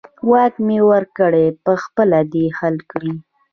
واک مې ورکړی، په خپله دې حل کړي.